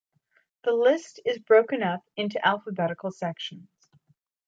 The list is broken up into alphabetical sections.